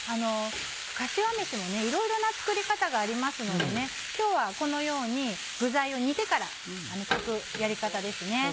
かしわめしもいろいろな作り方がありますので今日はこのように具材を煮てから炊くやり方です。